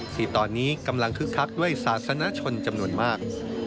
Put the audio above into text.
ที่ตอนนี้กำลังคึกคักด้วยศาสนชนจำนวนมาก